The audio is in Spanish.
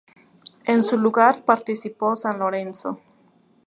En su lugar, participó San Lorenzo.